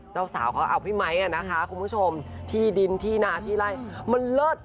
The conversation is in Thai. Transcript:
เจ้าสาวเขาเอาพี่ไมค์อ่ะนะคะคุณผู้ชมที่ดินที่นาที่ไล่มันเลิศ